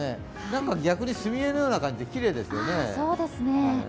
なんか逆に墨絵のような感じできれいですよね。